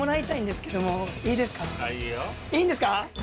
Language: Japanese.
いいんですか？